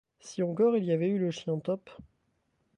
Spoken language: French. Si encore il avait eu le chien Top !